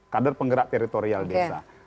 kadar penggerak territorial desa